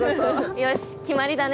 よし決まりだね。